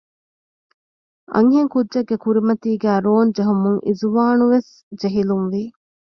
އަންހެންކުއްޖެއްގެ ކުރިމަތީގައި ރޯންޖެހުމުން އިޒުވާނުވެސް ޖެހިލުންވި